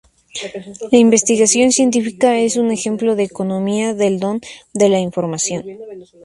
La investigación científica es un ejemplo de economía del don de la información.